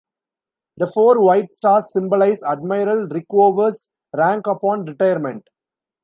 The four white stars symbolize Admiral Rickover's rank upon retirement.